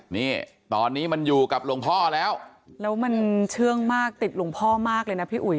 นี่ตอนนี้มันอยู่กับหลวงพ่อแล้วแล้วมันเชื่องมากติดหลวงพ่อมากเลยนะพี่อุ๋ย